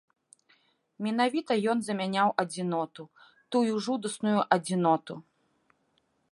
Менавіта ён замяняў адзіноту, тую жудасную адзіноту.